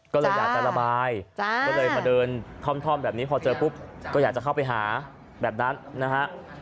ก็เลยอยากจะระบายก็เลยมาเดินท่อมแบบนี้พอเจอปุ๊บก็อยากจะเข้าไปหาแบบนั้นนะฮะ